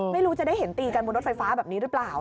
ไม่รู้จะได้เห็นตีกันบนรถไฟฟ้าแบบนี้หรือเปล่า